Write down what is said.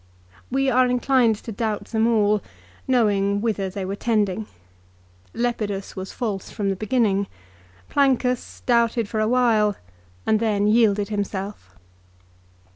We are inclined to doubt them all, knowing whither they were tending. Lepidus was false from the beginning. Plancus doubled for a while, and then yielded himself.